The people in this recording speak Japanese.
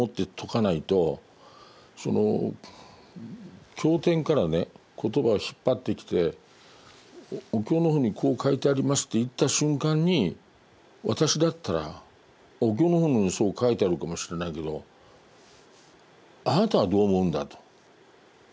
その経典からね言葉を引っ張ってきて「お経の本にこう書いてあります」って言った瞬間に私だったら「お経の本にそう書いてあるかもしれないけどあなたはどう思うんだ」と問いかけるでしょうね。